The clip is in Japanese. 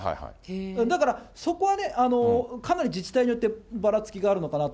だから、そこはかなり自治体によってばらつきがあるのかなと。